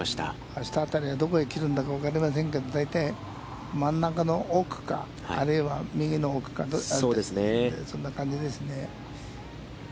あした辺りはどこへ切るか分かりませんけど、大体真ん中の奥か、あるいは右の奥か、そんな感じですね。